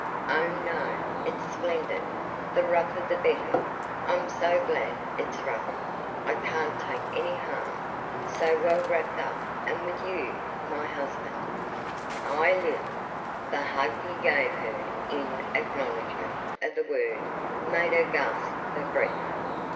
"Oh, no, it's splendid! The rougher the better. I'm so glad it's rough. I can't take any harm, so well wrapped up, and with you, my husband." "Ah, Lil!" The hug he gave her in acknowledgment of the word made her gasp for breath.